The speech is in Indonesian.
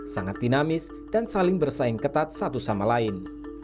sangat dinamis dan saling bersaing ketat satu sama lain